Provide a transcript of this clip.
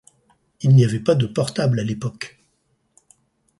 Il n’y avait pas de portable à l’époque.